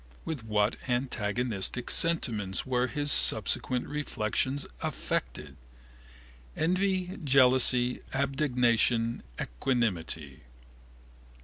With what antagonistic sentiments were his subsequent reflections affected? Envy, jealousy, abnegation, equanimity.